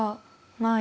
ない！